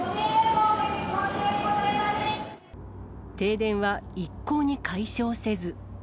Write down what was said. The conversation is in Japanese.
停電は一向に解消せず。